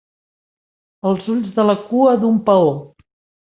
Els ulls de la cua d'un paó.